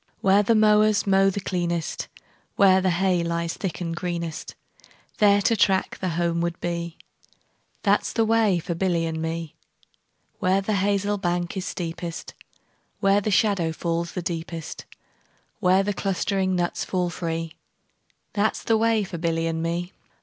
Where the mowers mow the cleanest, Where the hay lies thick and greenest, 10 There to track the homeward bee, That 's the way for Billy and me. Where the hazel bank is steepest, Where the shadow falls the deepest, Where the clustering nuts fall free, 15 That 's the way for Billy and me.